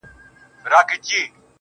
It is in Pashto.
o گراني په تا باندي چا كوډي كړي.